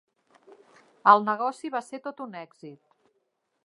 El negoci va ser tot un èxit.